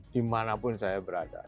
dimanapun saya berada